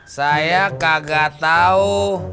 saya kagak tau